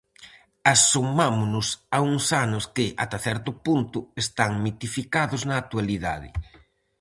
Asomámonos a uns anos que, ata certo punto, están mitificados na actualidade.